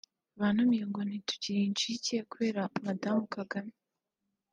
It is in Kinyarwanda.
bantumye ngo ntitukiri incike kubera Madamu Kagame